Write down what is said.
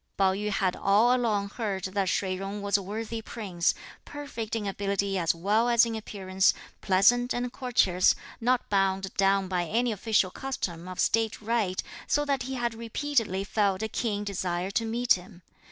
Pao yü had all along heard that Shih Jung was a worthy Prince, perfect in ability as well as in appearance, pleasant and courteous, not bound down by any official custom or state rite, so that he had repeatedly felt a keen desire to meet him.